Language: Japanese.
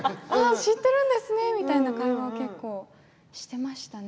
知ってるんですねみたいな会話を結構していましたね。